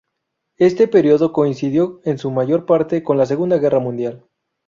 Este periodo coincidió en su mayor parte con la Segunda Guerra Mundial.